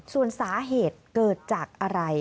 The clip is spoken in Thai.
ส่วนสาเหตุเกิดจากอะไร